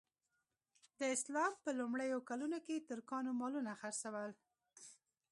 د اسلام په لومړیو کلونو کې ترکانو مالونه څرول.